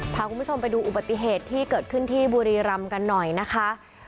พาคุณผู้ชมไปดูอุบัติเหตุที่เกิดขึ้นที่บุรีรำกันหน่อยนะคะ